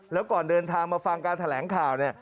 แล้วก่อนเดินทางมาฟังการแถลงข่าวเนี่ย